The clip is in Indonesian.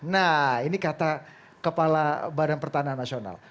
nah ini kata kepala badan pertanahan nasional